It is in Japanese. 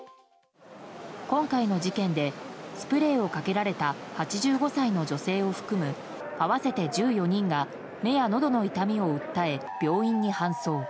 今回の事件でスプレーをかけられた８５歳の女性を含む合わせて１４人が目やのどの痛みを訴え病院に搬送。